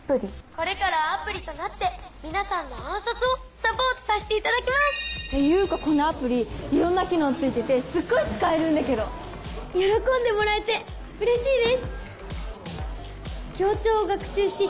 これからはアプリとなって皆さんの暗殺をサポートさせていただきますていうかこのアプリいろんな機能付いててすっごい使えるんだけど喜んでもらえてうれしいです協調を学習し私